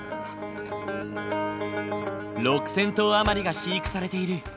６，０００頭余りが飼育されている。